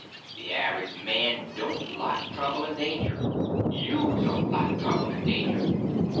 The average man don't like trouble and danger. You don't like trouble and danger.